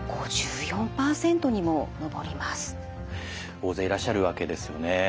大勢いらっしゃるわけですよね。